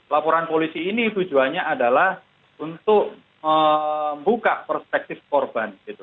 laporan polisi ini tujuannya adalah untuk membuka perspektif korban